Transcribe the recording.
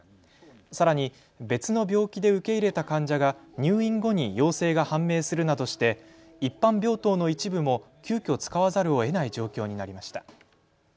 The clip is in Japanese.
さらに別の病気で受け入れた患者が入院後に陽性が判明するなどして一般病棟の一部も急きょ使わざるをえない状況になりました。